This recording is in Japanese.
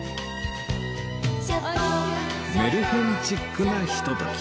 メルヘンチックなひととき